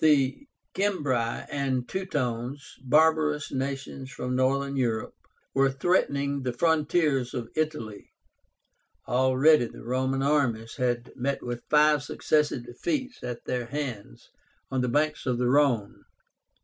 The CIMBRI and TEUTONES, barbarous nations from Northern Europe, were threatening the frontiers of Italy. Already the Roman armies had met with five successive defeats at their hands on the banks of the Rhone.